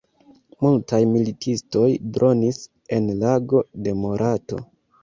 Multaj militistoj dronis en lago de Morato.